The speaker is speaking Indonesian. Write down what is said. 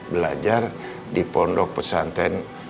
belajar di pondok pesanten